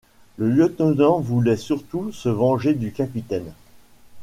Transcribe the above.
Le lieutenant voulait surtout se venger du capitaine !